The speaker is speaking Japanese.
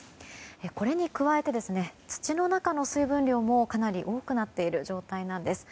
これに加えて、土の中の水分量もかなり多くなっている状態なんです。